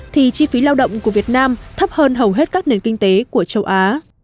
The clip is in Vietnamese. thì chi phí lao động của việt nam thấp hơn hầu hết các nền kinh tế của châu á